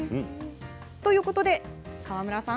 ということで、川村さん